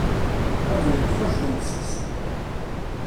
Ad yeṭṭef azgen seg-sen.